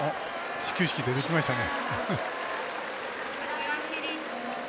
始球式に出てきましたね。